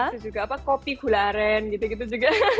itu juga apa kopi gula aren gitu gitu juga